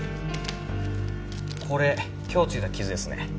これ今日ついた傷ですね。